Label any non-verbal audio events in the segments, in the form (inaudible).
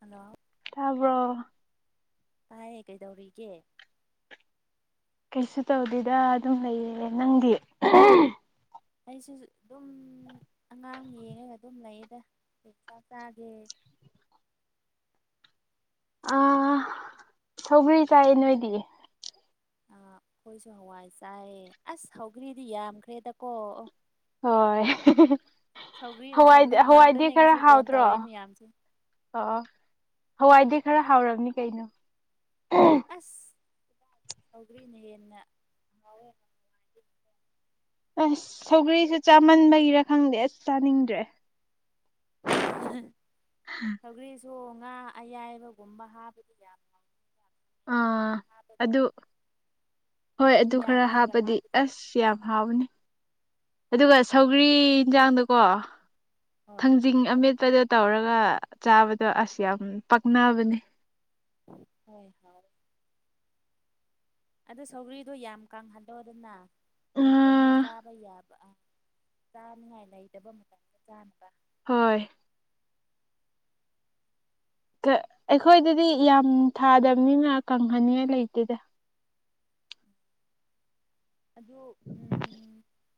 Hello ꯇꯥꯕ꯭ꯔꯣ ꯇꯥꯏ ꯀꯩꯗꯧꯔꯤꯒꯦ ꯀꯩꯁꯨ ꯇꯧꯗꯦꯗ ꯑꯗꯨꯝ ꯂꯩꯌꯦ ꯅꯪꯗꯤ ꯑꯩꯁꯨ ꯑꯗꯨꯝ ꯑꯉꯥꯡ ꯌꯦꯡꯉꯒ ꯑꯗꯨꯝ ꯂꯩꯌꯦꯗ ꯆꯥꯛ ꯆꯒꯦ ꯑ ꯁꯧꯒ꯭ꯔꯤ ꯆꯥꯏ ꯅꯣꯏꯗꯤ ꯑ ꯑꯩꯈꯣꯏꯁꯨ ꯍꯋꯥꯏ ꯆꯥꯏ ꯑꯁ ꯁꯧꯒ꯭ꯔꯤꯗꯤ ꯌꯥꯝꯈ꯭ꯔꯦꯗꯀꯣ ꯍꯣꯏ ꯁꯧꯒ꯭ꯔꯤꯅꯣ ꯍꯋꯥꯏꯗꯤ ꯁꯧꯒ꯭ꯔꯤ ꯍꯋꯥꯏꯗꯤ ꯈꯔ ꯉꯥꯛꯇꯅꯦꯁꯤ ꯐꯣꯟ ꯍꯥꯎꯇ꯭ꯔꯣ ꯇꯧꯔꯤ ꯃꯌꯥꯝꯁꯦ ꯑꯣ ꯍꯋꯥꯏꯗꯤ ꯈꯔ ꯍꯥꯎꯔꯝꯅꯤ ꯀꯩꯅꯣ ꯑꯁ ꯁꯧꯒ꯭ꯔꯤꯅ ꯍꯦꯟꯅ ꯍꯥꯎꯋꯦ ꯑꯁ ꯁꯧꯒ꯭ꯔꯤꯁꯨ ꯆꯥꯃꯟꯕꯩꯔ ꯈꯪꯗꯦ ꯑꯁ ꯆꯥꯅꯤꯡꯗ꯭ꯔꯦ ꯍ ꯁꯥꯎꯒ꯭ꯔꯤꯁꯨ ꯆꯣ ꯉꯥ ꯑꯌꯥꯏꯕꯒꯨꯝꯕ ꯍꯥꯕꯗꯤ ꯌꯥꯝ ꯍꯥꯎꯋꯤ ꯑꯥ ꯑꯗꯨ ꯍꯣꯏ ꯑꯗꯨ ꯈꯔ ꯊꯨꯝꯌꯥꯛꯄꯤꯒ ꯍꯥꯞꯄꯗꯤ ꯍꯥꯞꯄꯗꯣ ꯑꯁ ꯌꯥꯝ ꯍꯥꯎꯅꯤ ꯑꯗꯨꯒ ꯁꯧꯒ꯭ꯔꯤ ꯌꯦꯟꯖꯥꯡꯗꯀꯣ ꯍꯣꯏ ꯊꯥꯡꯖꯤꯡ ꯑꯃꯦꯠꯄꯗ ꯇꯧꯔ ꯈꯔ ꯆꯥꯕꯗꯣ ꯑꯁ ꯌꯥꯝ ꯄꯛꯅꯕꯅꯦ ꯍꯣꯏ ꯍꯣꯏ ꯑꯗꯨ ꯁꯧꯒ꯭ꯔꯤꯗꯣ ꯌꯥꯝ ꯀ ꯀꯥꯡꯍꯟꯂꯣꯗꯅ ꯑ ꯀꯔꯤ ꯀꯩꯅꯣ ꯆꯥꯕ ꯌꯥꯕ ꯑ ꯆꯥꯅꯤꯡꯉꯥꯏ ꯂꯩꯇꯕ ꯃꯇꯝꯗ ꯆꯥꯅꯕ ꯍꯣꯏ ꯑꯩꯈꯣꯏꯗꯗꯤ ꯌꯥꯝ ꯊꯥꯗꯕꯅꯤꯅ ꯀꯪꯍꯟꯅꯤꯡꯉꯥꯏ ꯂꯩꯇꯦꯗ ꯑꯗꯨꯗ ꯎꯝ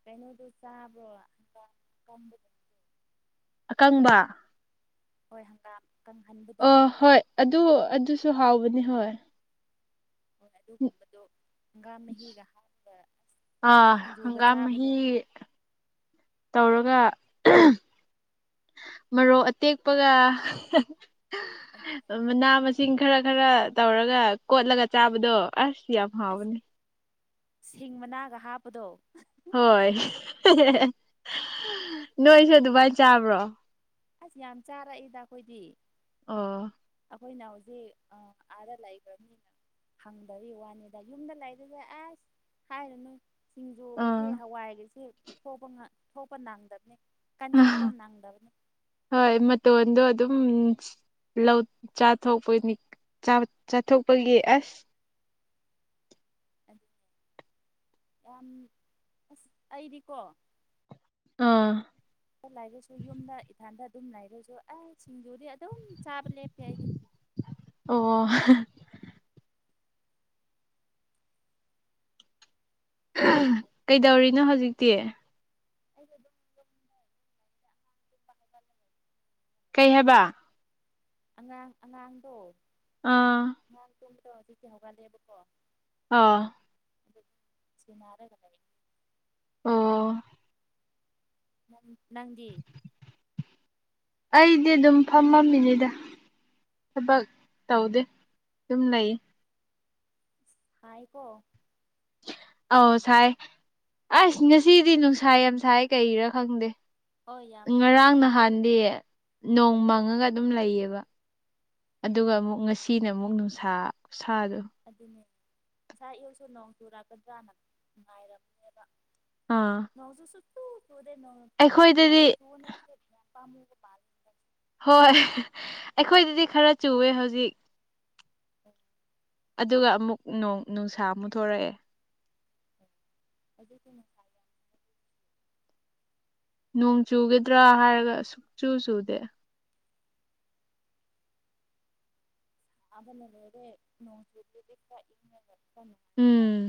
ꯀꯩꯅꯣ ꯑꯗꯨ ꯆꯕ ꯀ ꯑꯀꯪꯕ ꯍꯣꯏ ꯍꯪꯒꯥꯝ ꯑ ꯀꯪꯍꯟꯕꯗꯣ ꯍꯣꯏ ꯑꯗꯨ ꯑꯗꯨꯁꯨ ꯍꯥꯎꯕꯅꯤ ꯍꯣꯏ ꯍꯣꯏ ꯑꯗꯨꯒꯨꯝꯕꯗꯨ ꯍꯪꯒꯥꯝ ꯃꯍꯤꯒ ꯍꯥꯠꯄ ꯑ ꯍꯪꯒꯥꯝꯍꯤ ꯇꯧꯔꯒ ꯃꯔꯣꯛ ꯑꯇꯦꯛꯄꯒ ꯑꯗꯨꯅꯦ ꯃꯅꯥ ꯃꯁꯤꯡ ꯈꯔ ꯈꯔ ꯇꯧꯔꯒ ꯀꯣꯠꯂꯒ ꯆꯥꯕꯗꯣ ꯑꯁ ꯄꯌꯥ ꯑꯁ ꯐꯥꯎꯕꯅꯤ ꯁꯤꯡ ꯃꯅꯥꯒ ꯍꯥꯞꯄꯗꯣ ꯍꯣꯏ ꯅꯣꯏꯁꯨ ꯑꯗꯨꯃꯏꯅ ꯆꯥꯕ꯭ꯔꯣ ꯑꯁ ꯌꯥꯝ ꯆꯥꯔꯛꯏꯗ ꯑꯩꯈꯣꯏꯗꯤ ꯑꯥ ꯑꯩꯈꯣꯏꯅ ꯍꯧꯖꯤꯛ ꯑꯥꯗ ꯂꯩꯈ꯭ꯔꯕꯅꯤꯅ ꯍꯪꯗꯕꯤ ꯋꯥꯅꯤꯗ ꯌꯨꯝꯗꯂ ꯍꯥꯏꯗꯗ ꯑꯁ ꯍꯥꯏꯔꯅ ꯑꯥ ꯁꯤꯡꯖꯨꯒꯩꯁꯦ ꯍꯋꯥꯏꯒꯩꯁꯦ ꯊꯣꯛꯄ ꯅꯪꯗꯕꯅꯦ ꯀꯟ ꯈꯥꯔꯄꯝ ꯅꯅꯥꯗꯕꯅꯤ ꯍꯣꯏ ꯃꯇꯣꯟꯗꯣ ꯑꯗꯨꯝ ꯂꯧ ꯆꯥꯊꯣꯛꯄꯅꯤ ꯆꯥꯊꯣꯛꯄꯒꯤ ꯑꯁ ꯑꯗꯨ ꯌꯥꯝ ꯑꯁ ꯑꯩꯔꯤꯀꯣ ꯑꯥ ꯂꯥꯏꯔꯁꯨ ꯌꯨꯝꯗ ꯏꯊꯥꯟꯗ ꯑꯗꯨꯝ ꯂꯥꯏꯔꯁꯨ ꯑ ꯁꯤꯡꯖꯨꯔꯤ ꯑꯗꯨꯝ ꯆꯥꯕ ꯂꯦꯇꯌꯥꯏꯗꯤ ꯑꯣ ꯑꯩꯗꯤ ꯀꯩꯗꯧꯔꯤꯅꯣ ꯍꯧꯖꯤꯛꯇꯤ (inaudible) ꯀꯩ ꯍꯥꯏꯕ ꯑꯉꯥꯡ ꯑꯉꯥꯡꯗꯣ ꯑꯥ ꯁꯨꯝ ꯇꯣ ꯆꯁꯦ ꯍꯒꯜꯂꯦꯕꯣꯀꯣ ꯑꯥ ꯁꯨꯃꯔꯦ ꯀꯂꯒ ꯑꯣ ꯅ ꯑꯩꯗꯤ ꯑꯗꯨꯝ ꯐꯝꯃꯝꯃꯤꯅꯤꯗ ꯊꯕꯛ ꯇꯧꯗꯦ ꯑꯗꯨꯝ ꯂꯩꯌꯦ ꯍ ꯏꯀꯣ ꯑ ꯁꯥꯏ ꯑꯁ ꯉꯁꯤꯗꯤ ꯅꯨꯡꯁꯥ ꯌꯥꯝ ꯁꯥꯏ ꯀꯩꯔꯥ ꯈꯪꯗꯦ ꯍꯣꯏ ꯌꯥꯝ ꯁꯥꯏꯌꯦ ꯉꯔꯥꯡ ꯑꯌꯨꯛꯇꯒꯤ ꯅꯍꯥꯟꯗꯤ ꯅꯣꯡꯃꯪ ꯆꯪꯉꯒ ꯑꯗꯨꯝ ꯂꯩꯌꯦꯕ ꯑꯗꯨꯒ ꯑꯃꯨꯛ ꯉꯁꯤꯅ ꯑꯃꯨꯛ ꯅꯨꯡꯁꯥ ꯁꯥꯗ ꯑꯗꯨꯅꯦ ꯉꯁꯥꯏ ꯏꯨꯁꯨ ꯅꯣꯡ ꯆꯨꯔꯛꯀꯗ꯭ꯔꯥꯅꯅꯨꯡꯉꯥꯏꯔꯕꯅꯦꯕ ꯑꯥ ꯉꯖꯁꯨ ꯑꯩꯈꯣꯏꯗꯗꯤ ꯇꯗꯣꯡꯣꯡ ꯇꯨꯅꯄꯥ ꯄ ꯍꯣꯏ ꯑꯩꯈꯣꯏꯗꯗꯤ ꯈꯔ ꯆꯨꯋꯦ ꯍꯧꯖꯤꯛ ꯑꯗꯨꯒ ꯑꯃꯨꯛꯣꯡ ꯅꯨꯡꯁꯥ ꯑꯃꯨꯛ ꯊꯣꯔꯛꯑꯦ ꯑꯗꯨꯗꯤ ꯉꯅꯨꯡꯉꯥꯏ ꯌꯥꯝ ꯅꯣꯡ ꯆꯨꯒꯗ꯭ꯔꯥ ꯍꯥꯏꯔꯒ ꯁꯨꯛ ꯆꯨ ꯆꯨꯗꯦ ꯑꯗꯅꯔꯣꯡ ꯆ ꯎꯝ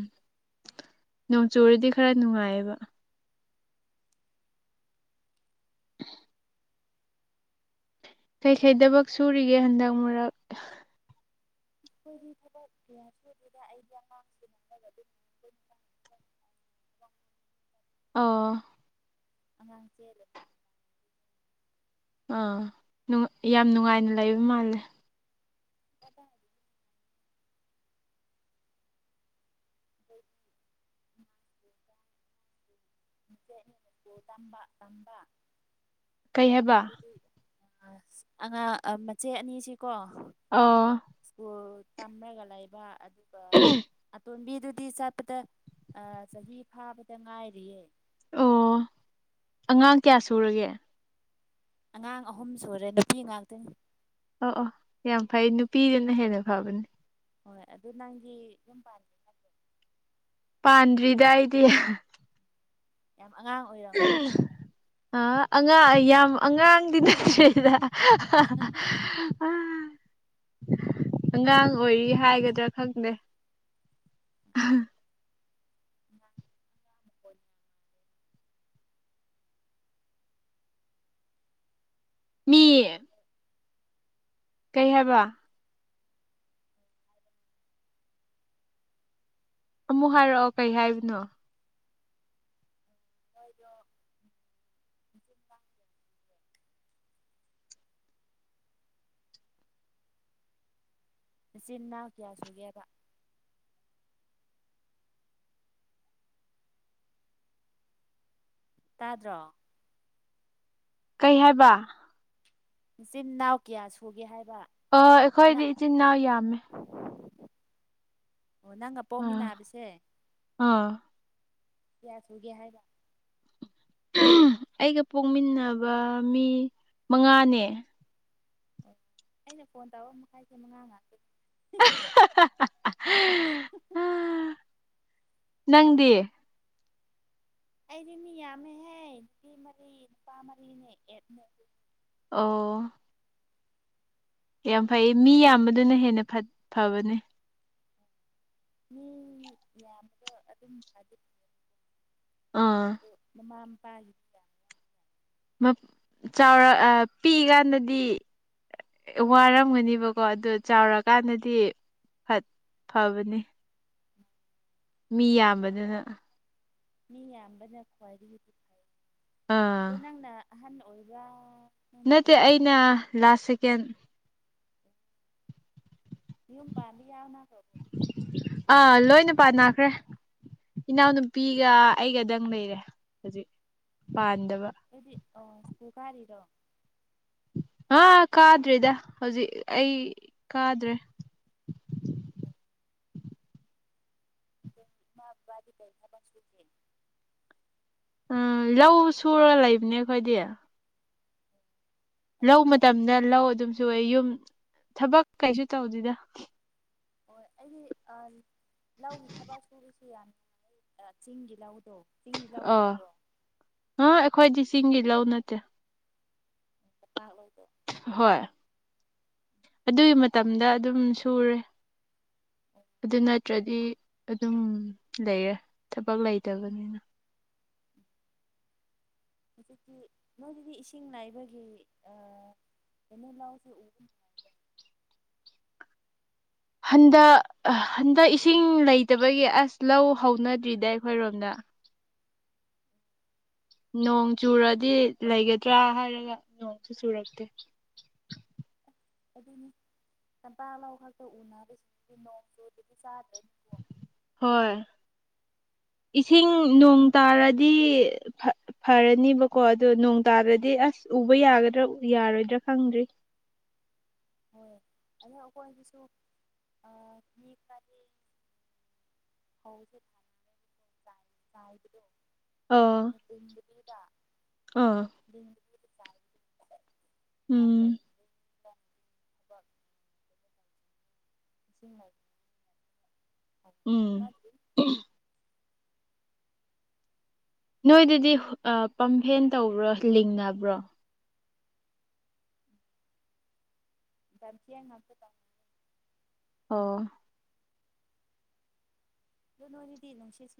ꯅꯣꯡꯆꯨꯨꯔꯗꯤ ꯈꯔ ꯅꯨꯡꯉꯥꯏꯌꯦꯕ (inaudible) ꯀꯩꯀꯩꯗꯕꯛ ꯁꯨꯔꯤꯒꯦ ꯍꯟꯗꯛ ꯃꯔꯛ ꯑꯩꯈꯣꯏꯒꯤ ꯊꯕꯛ ꯀꯌꯥ ꯁꯨꯗꯨꯒ ꯑꯩꯒꯤ ꯑꯉꯥꯡꯁꯨ ꯅꯅꯕ ꯑꯗꯨ ꯇ꯫ ꯑꯥ ꯑꯉꯥꯡ ꯆꯦꯜ ꯑꯥ ꯌꯥꯝ ꯅꯨꯡꯉꯥꯏꯅ ꯂꯩꯕ ꯃꯥꯜꯂꯦ ꯀꯠꯇꯗꯤꯗꯤ ꯎꯝ ꯆꯠ ꯌꯦꯨꯄ ꯇꯥꯡꯥꯛ ꯇꯝꯥ ꯑꯗꯣ ꯀꯩ ꯍꯥꯏꯕ ꯑꯃꯗꯨꯗꯤ ꯑꯉꯥꯡ ꯃꯆꯦ ꯑꯅꯤꯁꯤꯀꯣ ꯑꯥ ꯇꯝꯂꯒ ꯂꯩꯕ ꯑꯗꯨꯒ ꯑꯇꯣꯝꯕꯤꯗꯨ ꯇꯤ ꯆꯠꯄꯗ ꯑ ꯆꯍꯤ ꯐꯥꯕꯗ ꯉꯥꯏꯔꯤꯌꯦ ꯑꯣ ꯑꯉꯥꯡ ꯀꯌꯥ ꯁꯨꯔꯒꯦ ꯑꯉꯥꯡ ꯑꯍꯨꯝ ꯁꯨꯔꯦ ꯅꯨꯄꯤ ꯉꯥꯛꯇ ꯑꯣ ꯑꯣ ꯌꯥꯝ ꯐꯩ ꯅꯨꯄꯤꯗꯅ ꯍꯦꯟꯅ ꯐꯕꯅꯤ ꯍꯣꯏ ꯑꯗꯨ ꯅꯪꯒꯤ ꯌꯨꯝ ꯄꯥꯒꯦ ꯄꯥꯟꯗ꯭ꯔꯤꯗꯥꯏꯗꯤ ꯌꯥꯝ ꯑꯉꯥꯡ ꯑꯣꯏꯔꯝꯅꯤꯕ ꯑ ꯑꯉꯥꯡ ꯌꯥꯝ ꯑꯉꯥꯡꯗꯤ ꯅꯠꯇ꯭ꯔꯦꯗ ꯎꯝ ꯑꯉꯥꯡ ꯑꯣꯏꯔꯤ ꯍꯥꯏꯒꯗ꯭ꯔꯥ ꯈꯪꯗꯦ ꯑ (inaudible) ꯃꯤ ꯀꯩ ꯍꯥꯏꯕ ꯑꯃꯨꯛ ꯍꯥꯏꯔꯛꯑꯣ ꯀꯩ ꯍꯥꯏꯕꯅꯣ ꯍꯣꯏꯗꯣ ꯆꯤꯟꯅꯥ ꯀꯌꯥꯁꯒꯦꯔ ꯇꯥꯗ꯭ꯔꯣ ꯀꯩ ꯍꯥꯏꯕ ꯏꯆꯤꯟ ꯏꯅꯥꯎ ꯀꯌꯥ ꯁꯨꯒꯦ ꯍꯥꯏꯕ ꯑ ꯑꯩꯈꯣꯏꯗꯤ ꯅꯪ ꯏꯆꯤꯟ ꯏꯅꯥꯎ ꯌꯥꯝꯃꯦ ꯑꯣ ꯅꯪꯒ ꯑꯥ ꯄꯣꯛꯃꯤꯟꯅꯕꯁꯦ ꯑꯥ ꯀꯌꯥ ꯁꯨꯒꯦ ꯍꯥꯏꯕ ꯑꯩꯒ ꯄꯣꯛꯃꯤꯟꯅꯕ ꯃꯤ ꯃꯉꯥꯅꯦ ꯑꯣ ꯑꯩꯅ ꯐꯣꯟ ꯇꯥꯔ ꯃꯈꯥꯏꯁꯦ ꯃꯉꯥ ꯉꯥꯛꯇ ꯎꯝ ꯅꯪꯗꯦ ꯑꯩꯗꯤ ꯃꯤ ꯌꯥꯝꯃꯦꯍꯦ ꯅꯨꯄꯤ ꯃꯔꯤ ꯅꯨꯄꯥ ꯃꯔꯤꯅꯦ ꯑꯦꯠꯃꯦ ꯑꯣ ꯌꯥꯝ ꯐꯩ ꯃꯤ ꯌꯥꯝꯕꯗꯨꯅ ꯍꯦꯟꯅ ꯐꯕꯅꯦ ꯃꯤ ꯌꯥꯗ ꯑꯗꯨꯝ ꯑ ꯑꯥ ꯃꯃꯥ ꯃꯄꯥꯒꯤꯗꯤ ꯆꯥꯎꯔ ꯄꯤꯛꯏꯀꯥꯟꯗꯗꯤ ꯋꯥꯔꯝꯒꯅꯦꯕꯀꯣ ꯑꯗꯨ ꯆꯥꯎꯔꯀꯥꯟꯗꯗꯤ ꯐꯠ ꯐꯕꯅꯤ ꯃꯤ ꯌꯥꯝꯕꯗꯨꯅ ꯃꯤ ꯌꯥꯝꯕꯅ ꯈ꯭ꯋꯥꯏꯗꯒꯤꯗꯤ ꯐꯩ ꯑꯥ ꯑꯗꯣ ꯅꯪꯅ ꯑꯍꯟ ꯑꯣꯏꯕ ꯅꯠꯇꯦ ꯑꯩꯅ ꯂꯥꯁ ꯁꯦꯀꯦꯟ ꯌ ꯄꯥꯕꯤ ꯌꯥꯎꯅ ꯑꯥ ꯂꯣꯏꯅ ꯄꯥꯟ ꯅꯥꯈ꯭ꯔꯦ ꯏꯅꯥꯎꯅꯨꯄꯤꯒ ꯑꯩꯒꯗꯪ ꯂꯩꯔꯦ ꯍꯧꯖꯤꯛ ꯄꯥꯟꯗꯕ ꯑꯩꯗꯤ ꯑꯣ ꯁꯨꯒꯥꯥꯔꯤꯗꯣ ꯍꯥꯥ ꯀꯥꯗ꯭ꯔꯤꯗ ꯍꯧꯖꯤꯛ ꯑꯩ ꯀꯥꯗ꯭ꯔꯦ ꯦ ꯎꯝ ꯂꯧ ꯁꯨꯔꯒ ꯂꯩꯕꯅꯦ ꯑꯩꯈꯣꯏꯗꯤ ꯂꯧ ꯑꯗꯨꯅꯦ ꯑꯗꯨ ꯃꯇꯝꯗ ꯂꯧ ꯑꯗꯨꯝꯁꯨ ꯑꯣꯏ ꯌꯨꯝ ꯊꯕꯛ ꯀꯩꯁꯨ ꯇꯧꯗꯣꯏꯗ ꯍꯣꯏ ꯑꯩꯗꯤ ꯂꯧꯒꯤ ꯊꯕꯛ ꯁꯨꯔꯤꯁꯨ ꯌꯥꯝ ꯅꯨꯡꯉꯥꯏ ꯆꯤꯡꯒꯤ ꯂꯧꯗ ꯑꯥ ꯑ ꯑꯩꯈꯣꯏꯗꯤ ꯆꯁꯤꯡꯒꯤ ꯂꯧ ꯅꯠꯇꯦ ꯑꯣꯏ ꯍꯣꯏ ꯑꯗꯨꯒꯤ ꯃꯇꯝꯗ ꯑꯗꯨꯝ ꯁꯨꯔꯦ ꯑꯣ ꯑꯗꯨ ꯅꯠꯇ꯭ꯔꯗꯤ ꯑꯗꯨꯝ ꯂꯩꯔꯦ ꯊꯕꯛ ꯂꯩꯇꯕꯅꯤꯅ ꯍꯧꯖꯤꯛꯇꯤ ꯃꯣꯏꯗꯗꯤ ꯏꯁꯤꯡ ꯅꯩ ꯑꯥ ꯀꯩꯅꯤ ꯂꯥꯎꯁꯦ ꯎꯕ ꯍꯟꯗ ꯑ ꯍꯟꯗꯛ ꯏꯁꯤꯡ ꯂꯩꯇꯕꯒꯤ ꯑꯁ ꯂꯧ ꯍꯧꯅꯗ꯭ꯔꯤꯗ ꯑꯩꯈꯣꯏꯔꯣꯝꯗ ꯅꯣꯡ ꯆꯨꯔꯗꯤ ꯂꯩꯒꯗ꯭ꯔꯥ ꯍꯥꯏꯔꯒ ꯅꯣꯡꯁꯨ ꯆꯨꯔꯛꯇꯦ ꯑꯥ ꯑꯗꯨꯅꯤ ꯆꯝꯄ ꯂꯧ ꯈꯛꯇ ꯎꯅꯔꯦ ꯖꯤꯛꯇꯤ ꯅꯣꯡ ꯆꯨꯗꯔꯗꯤ ꯆꯥꯗ꯭ꯔꯦ ꯍꯣꯏ (inaudible) ꯏꯁꯤꯡ ꯅꯣꯡ ꯇꯥꯔꯗꯤ ꯐ ꯐꯔꯅꯤꯕꯀꯣ ꯑꯗꯣ ꯅꯣꯡ ꯇꯥꯗꯔꯗꯤ ꯑꯁ ꯎꯕ ꯌꯥꯒꯗ꯭ꯔꯥ ꯎ ꯌꯥꯔꯣꯏꯗ꯭ꯔꯥ ꯈꯪꯗ꯭ꯔꯤ ꯍꯣꯏ ꯑꯗꯣ ꯑꯈꯣꯏꯒꯤꯁꯨ ꯑꯥ ꯃꯤ ꯈꯔꯗꯤ ꯑꯥ ꯑꯥ ꯍꯣ (inaudible) (inaudible) ꯎꯝ ꯇ (inaudible) ꯗꯤ (inaudible) ꯎꯝ ꯅꯣꯏꯗꯗꯤ ꯍꯨ ꯑꯥ ꯄꯥꯝꯐꯦꯟ ꯇꯧꯕ꯭ꯔꯣ ꯂꯤꯡꯅꯕ꯭ꯔꯣ ꯕꯝꯁꯦꯟ ꯉꯥꯛꯇ ꯇꯧꯅ ꯑꯣ ꯑꯗꯨ ꯅꯣꯌꯗꯗꯤ ꯅꯨꯡꯁꯤ ꯁ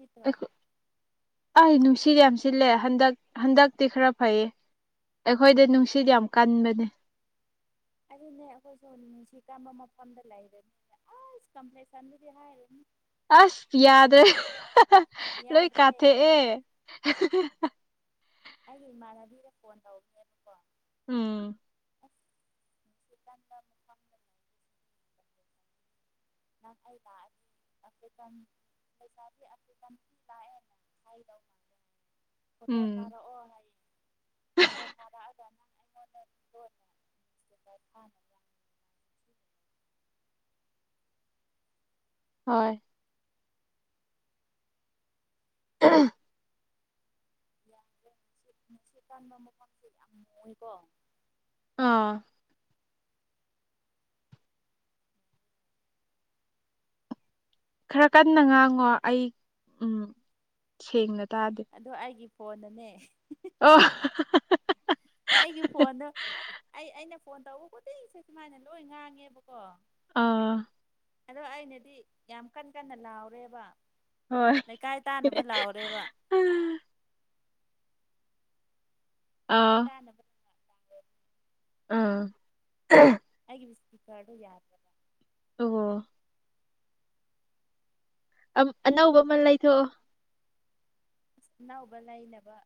ꯍꯨ ꯅꯨꯡꯁꯤ ꯌꯥꯝ ꯁꯤꯂꯦ ꯍꯟꯗꯛ ꯍꯟꯗꯛꯇꯤ ꯈꯔ ꯐꯩꯌꯦ ꯑꯈꯣꯏꯗ ꯅꯨꯡꯁꯤꯠ ꯌꯥꯝ ꯀꯟꯕꯅꯦ ꯑꯗꯨꯅꯦ ꯑꯈꯣꯏꯁꯨ ꯅꯨꯡꯁꯤ ꯀꯝꯕ ꯃꯐꯝꯗ ꯂꯩꯕꯅꯤꯅ ꯑꯁ ꯀꯝꯄꯂꯦꯛꯁꯟ ꯍꯥꯏꯔꯨꯅꯨ ꯑꯁ ꯌꯥꯗ꯭ꯔꯦ ꯂꯣꯏ ꯌꯥꯗ꯭ꯔꯦ ꯌꯥꯗ꯭ꯔꯦ ꯀꯥꯊꯦꯛꯑꯦ ꯑꯩꯗꯤ ꯏꯃꯥꯟꯅꯕꯤꯗ ꯐꯣꯟ ꯇꯧꯕꯅꯦꯕꯀꯣ ꯎꯝ (inaudible) ꯑ ꯍꯥꯏ (inaudible) ꯁꯥ ꯂ (inaudible) ꯐꯣꯇꯣ ꯎꯝ ꯊꯥꯔꯛꯑꯣ ꯍꯥꯏꯌꯦ ꯐꯣꯇꯣ ꯊꯔꯛꯑꯒ ꯅꯪ ꯑꯩꯉꯣꯟꯗ ꯂꯣꯟꯅ (inaudible) ꯍꯣꯏ ꯑ ꯌꯥꯝ ꯅꯨꯡꯁꯤꯠ ꯅꯨꯡꯁꯤꯠ ꯀꯟꯕ ꯃꯐꯝꯁꯤ ꯌꯥꯝ ꯃꯨꯏꯀꯣ ꯑꯥ ꯈꯔ ꯀꯟꯅ ꯉꯥꯡꯉꯣ ꯑꯩ ꯎꯝ ꯁꯦꯡꯅ ꯑꯗꯣ ꯑꯩꯒꯤ ꯐꯣꯟꯅꯅꯦ ꯑꯍꯦ ꯑꯍꯥ ꯍꯥ ꯍꯥ ꯍꯥ ꯑꯩꯒꯤ ꯐꯣꯟꯗ ꯑꯩ ꯑꯩꯅ ꯐꯣꯟ ꯇꯧꯕ ꯈꯨꯗꯤꯡꯁꯦ ꯁꯨꯃꯥꯏꯅ ꯂꯣꯏ ꯉꯥꯡꯉꯦꯕꯀꯣ ꯑꯥ ꯑꯗꯣ ꯑꯩꯅꯗꯤ ꯌꯥꯝ ꯀꯟ ꯀꯟꯅ ꯂꯥꯎꯔꯦꯕ ꯍꯣꯏ ꯂꯩꯀꯥꯏ ꯇꯥꯅꯕ ꯂꯥꯎꯔꯦꯕ ꯂꯩꯀꯥꯏ ꯑꯥ ꯇꯥꯅꯕ ꯊꯕꯛ ꯑꯥ ꯑꯝ ꯑꯩꯒꯤ ꯋꯨꯏꯁꯄꯤꯀꯥꯔꯗꯣ ꯌꯥꯗꯔꯕ ꯑꯣ ꯑꯝ ꯑꯅꯧꯕꯃ ꯂꯩꯊꯣꯛꯑꯣ ꯑꯅꯧꯕ ꯂꯩꯅꯕ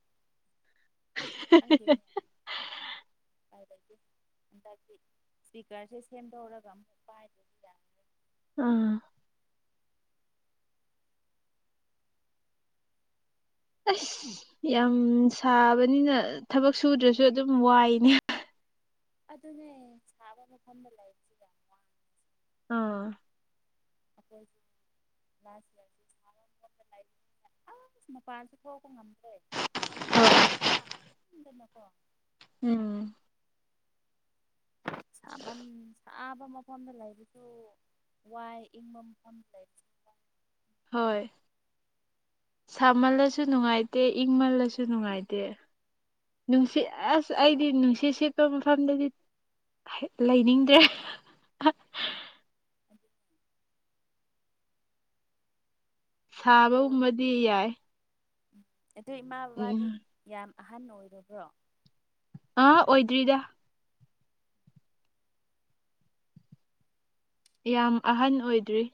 (inaudible) ꯍꯟꯗꯤ ꯏꯁꯄꯤꯀꯔꯁꯦ ꯁꯦꯝꯗꯧꯔꯒ ꯑꯃꯨꯛ ꯄꯥꯏꯕꯁꯨ ꯌꯥ꯭ꯔꯦ ꯑꯥ ꯑꯁ ꯌꯥꯝ ꯁꯥꯕꯅꯤꯅ ꯊꯕꯛ ꯁꯨꯗ꯭ꯔꯁꯨ ꯑꯗꯨꯝ ꯋꯥꯏꯅꯦ ꯑꯗꯨꯅꯦ ꯁꯥꯕ ꯃꯐꯝꯗ ꯂꯩꯁꯤ ꯌꯥꯝ ꯑꯣ (inaudible) ꯑꯆꯅꯣꯄꯥꯖꯕꯣ ꯀ ꯉꯝ ꯂꯩ ꯍꯣꯏ ꯆꯗꯅꯀꯣ ꯎꯝ ꯁꯥꯕꯟ ꯁꯥꯕ ꯃꯐꯝꯗ ꯂꯩꯕꯁꯨ ꯋꯥꯏ ꯏꯪꯃꯝꯂ ꯍꯣꯏ ꯁꯥꯃꯜꯂꯁꯨ ꯅꯨꯡꯉꯥꯏꯇꯦ ꯏꯪꯃꯜꯂꯁꯨ ꯅꯨꯡꯉꯥꯏꯇꯦ ꯅꯨꯡꯁꯤꯠ ꯑꯁ ꯑꯩꯗꯤ ꯅꯨꯡꯁꯤꯠ ꯁꯦꯠꯄ ꯃꯐꯝꯗꯗꯤ ꯂꯩꯅꯤꯡꯗ꯭ꯔꯦ ꯁꯥꯕꯒꯨꯝꯕꯗꯤ ꯌꯥꯏ ꯎꯝ ꯑꯗꯨ ꯏꯃꯥ ꯎꯝ ꯕꯥꯗꯤ ꯌꯥꯝ ꯑꯍꯟ ꯑꯣꯏꯔꯕ꯭ꯔꯣ ꯑꯥ ꯑꯣꯏꯣꯏꯗ꯭ꯔꯤꯗ ꯌꯥꯝ ꯑꯍꯟ ꯑꯣꯏꯗ꯭ꯔꯤ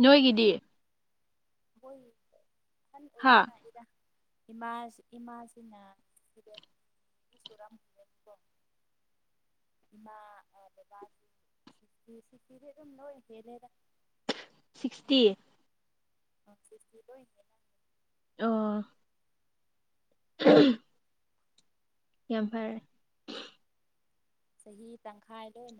ꯅꯣꯏꯒꯤꯗꯤ ꯍꯣꯏ ꯈꯅꯤ ꯍꯥ ꯑꯣꯏꯁꯤ ꯂꯥꯛꯕ ꯏꯃꯥꯁꯤꯅ ꯁꯨꯔ ꯑ ꯁꯤꯛꯇꯗꯤ ꯑꯗꯨꯝ ꯂꯣꯏꯒꯦꯂꯦꯗ ꯁꯤꯛꯁꯇꯤ ꯑꯣ ꯁꯔꯤꯇꯗ ꯑ (inaudible) ꯌꯥꯝ ꯐꯔꯦ ꯆꯍꯤ ꯇꯪꯈꯥꯏ ꯂꯣꯏ